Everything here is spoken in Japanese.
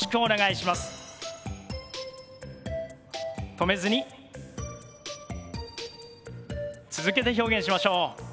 止めずに続けて表現しましょう。